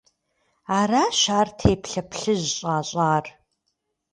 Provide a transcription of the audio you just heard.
Аращ ар теплъэ плъыжь щӏащӏар.